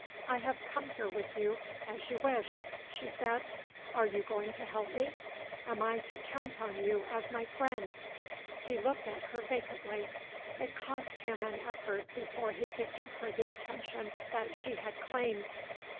"I have come here with you as you wished," she said. "Are you going to help me? Am I to count on you as my friend?" He looked at her vacantly. It cost him an effort before he could give her the attention that she had claimed.